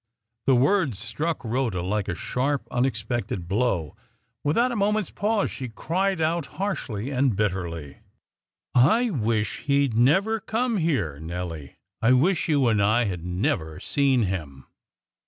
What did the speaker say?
The words struck Rhoda like a sharp unexpected blow. Without a moment's pause she cried out harshly and bitterly "I wish he'd never come here, Nelly; I wish you and I had never seen him!"